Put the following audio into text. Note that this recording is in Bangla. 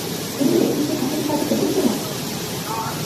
এ নহিলে বিশ্বের সংশোধনকার্য চলিবে কী করিয়া?